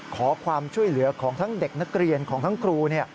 ขอความช่วยเหลือของทั้งเด็กนักเรียนของทั้งครู